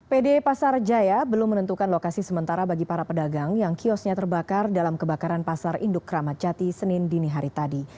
pd pasar jaya belum menentukan lokasi sementara bagi para pedagang yang kiosnya terbakar dalam kebakaran pasar induk ramadjati senin dini hari tadi